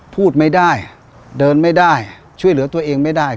พูดไม่ได้เดินไม่ได้ช่วยเหลือตัวเองไม่ได้